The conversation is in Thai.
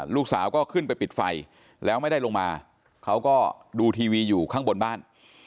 ลูกสาวก็ขึ้นไปปิดไฟแล้วไม่ได้ลงมาเขาก็ดูทีวีอยู่ข้างบนบ้าน